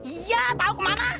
iya tau kemana